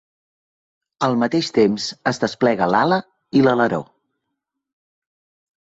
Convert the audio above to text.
Al mateix temps, es desplega l"ala i l"aleró.